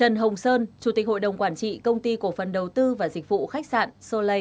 trần hồng sơn chủ tịch hội đồng quản trị công ty cổ phần đầu tư và dịch vụ khách sạn solay